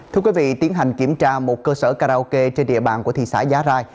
thưa quý vị tiến hành kiểm tra một cơ sở karaoke trên địa bàn của thị xã giá rai